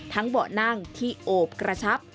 เบาะนั่งที่โอบกระชับ